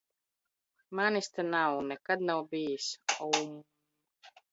Manis te nav. Un nekad nav bijis. Oummm...